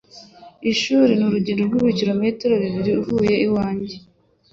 Ishuri ni urugendo rw'ibirometero bibiri uvuye iwanjye.